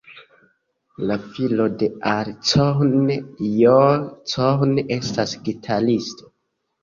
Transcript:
La filo de Al Cohn, Joe Cohn, estas gitaristo.